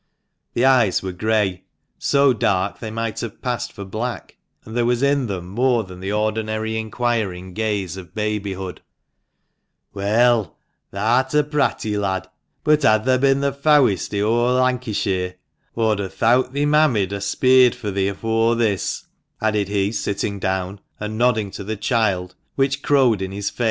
The eyes were grey, so dark they might have passed for black; and there was in them more than the ordinary inquiring gaze of babyhood. " Well, thah'rt a pratty lad ; but had thah bin th' fowestf i' o' Lankisheer, aw'd a thowt thi mammy'd ha' speeredj fur thi afore this," added he, sitting down, and nodding to the child, which crowed in his face.